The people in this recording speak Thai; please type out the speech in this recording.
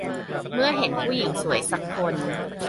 เมื่อเห็นผู้หญิงสวยสักคน